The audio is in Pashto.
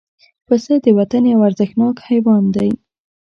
پسه د وطن یو ارزښتناک حیوان دی.